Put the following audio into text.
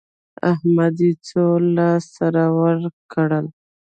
احمد ته يې څو لاس سره ورکړل؟